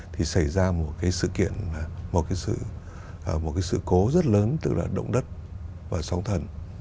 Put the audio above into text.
thì xảy ra một cái sự kiện một cái sự cố rất lớn từ là động đất và sóng thần